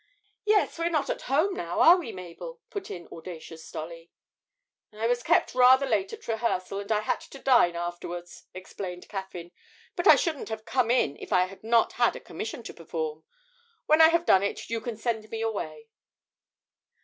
'Yes, we're not at home now, are we Mabel?' put in audacious Dolly. 'I was kept rather late at rehearsal, and I had to dine afterwards,' explained Caffyn; 'but I shouldn't have come in if I had not had a commission to perform. When I have done it you can send me away.'